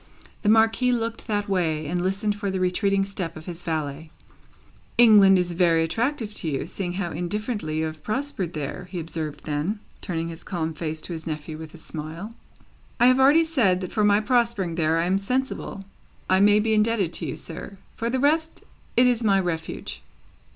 The Marquis looked that way, and listened for the retreating step of his valet. "England is very attractive to you, seeing how indifferently you have prospered there," he observed then, turning his calm face to his nephew with a smile. "I have already said, that for my prospering there, I am sensible I may be indebted to you, sir. For the rest, it is my Refuge."